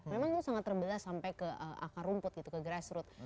memang itu sangat terbelah sampai ke akar rumput gitu ke grassroot